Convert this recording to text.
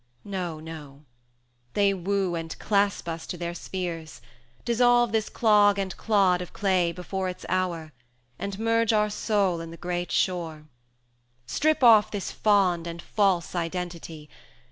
No, no; they woo and clasp us to their spheres, Dissolve this clog and clod of clay before 390 Its hour, and merge our soul in the great shore. Strip off this fond and false identity!